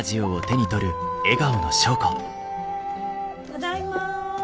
・ただいま。